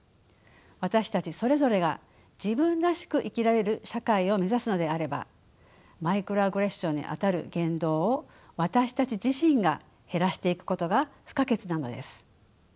私たちそれぞれが自分らしく生きられる社会を目指すのであればマイクロアグレッションにあたる言動を私たち自身が減らしていくことが不可欠なのです。